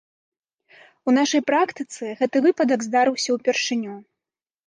У нашай практыцы гэты выпадак здарыўся ўпершыню.